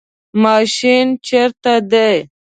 ماشین چیرته دی؟